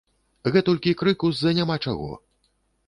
Гэтулькі крыку з-за няма чаго.